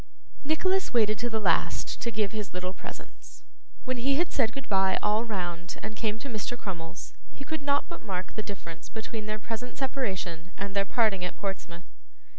Nicholas waited to the last to give his little presents. When he had said goodbye all round and came to Mr. Crummles, he could not but mark the difference between their present separation and their parting at Portsmouth.